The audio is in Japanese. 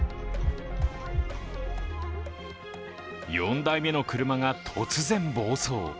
４台目の車が突然、暴走。